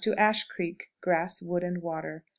Ash Creek. Grass, wood, and water.